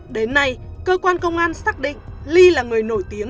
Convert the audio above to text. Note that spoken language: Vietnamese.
đến nay cơ quan công an xác định ly là người nổi tiếng